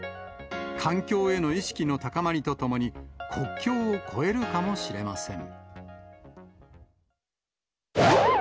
環境への意識の高まりとともに、国境を越えるかもしれません。